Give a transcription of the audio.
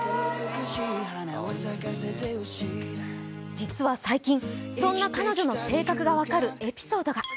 実は最近そんな彼女の性格が分かるエピソードが。